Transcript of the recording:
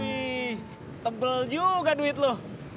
wih tebel juga duit loh